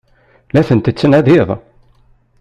La ten-tettnadiḍ?